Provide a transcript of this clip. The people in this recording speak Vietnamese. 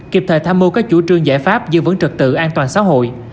kịp thời tham mưu các chủ trương giải pháp giữ vững trực tự an toàn xã hội